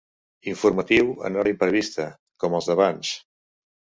Informatiu en hora imprevista, com els d'abans.